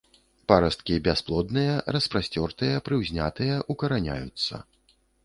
Парасткі бясплодныя, распасцёртыя, прыўзнятыя, укараняюцца.